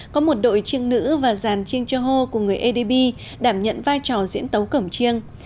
có một đội chiêng nữ và dàn chiêng cho hô của người adb đảm nhận vai trò diễn tấu cổng trương